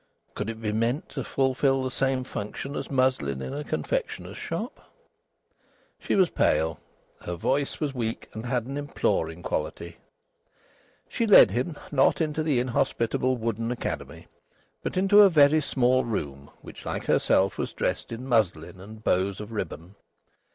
Could it be meant to fulfil the same function as muslin in a confectioner's shop? She was pale. Her voice was weak and had an imploring quality. She led him, not into the inhospitable wooden academy, but into a very small room which, like herself, was dressed in muslin and bows of ribbon.